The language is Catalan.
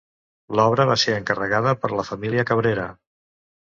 L'obra va ser encarregada per la família Cabrera.